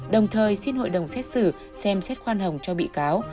đồng thời xin hội đồng xét xử xem xét khoan hồng cho bị cáo